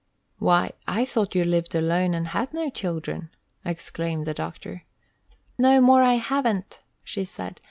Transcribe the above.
"Why, I thought you lived alone, and had no children!" exclaimed the doctor. "No more I haven't," she said.